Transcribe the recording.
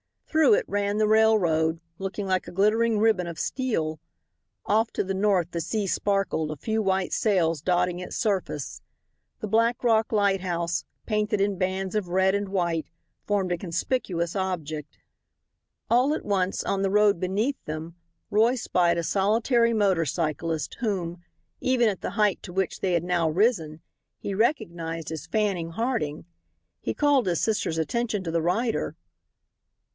Through it ran the railroad, looking like a glittering ribbon of steel. Off to the north the sea sparkled, a few white sails dotting its surface. The Black Rock lighthouse, painted in bands of red and white, formed a conspicuous object. All at once, on the road beneath them, Roy spied a solitary motor cyclist whom, even at the height to which they had now risen, he recognized as Fanning Harding. He called his sister's attention to the rider.